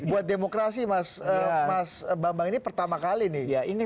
buat demokrasi mas bambang ini pertama kali nih